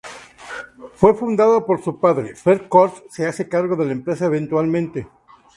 Fue fundada por su padre, Fred Kord se hace cargo de la empresa eventualmente.